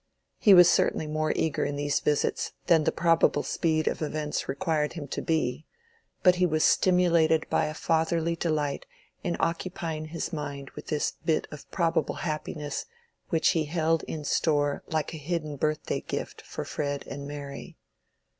He was certainly more eager in these visits than the probable speed of events required him to be; but he was stimulated by a fatherly delight in occupying his mind with this bit of probable happiness which he held in store like a hidden birthday gift for Fred and Mary.